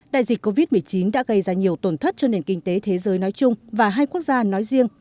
đại dịch covid một mươi chín đã gây ra nhiều tổn thất cho nền kinh tế thế giới nói chung và hai quốc gia nói riêng